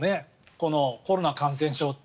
このコロナ感染症って。